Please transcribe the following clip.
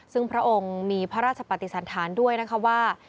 ซึ่งพระองค์มีพระราชปฏิสันธารด้วยนะคะว่า